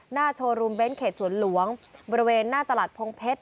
โชว์รูมเน้นเขตสวนหลวงบริเวณหน้าตลาดพงเพชร